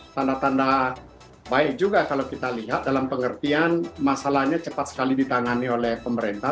tanda tanda baik juga kalau kita lihat dalam pengertian masalahnya cepat sekali ditangani oleh pemerintah